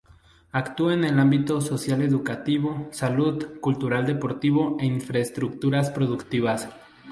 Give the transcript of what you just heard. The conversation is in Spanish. Actúa en el ámbito social-educativo, salud, cultural-deportivo e infraestructuras productivas.